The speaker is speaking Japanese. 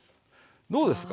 どうですか？